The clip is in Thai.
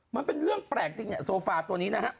มันเป็นเรื่องแปลกโซฟาตัวนี้นะครับ